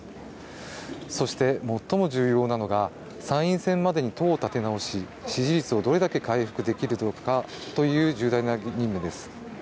そして最も重要なのが参院選までに党を立て直し支持率をどれだけ回復できるのかという重大な任務です。